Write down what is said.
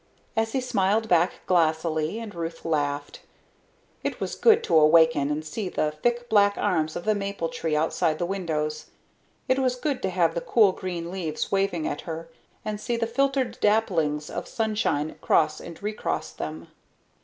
Essie smiled back glassily and Ruth laughed. It was good to awaken and see the thick black arms of the maple tree outside the windows. It was good to have the cool green leaves waving at her, and see the filtered dapplings of sunshine cross and recross them.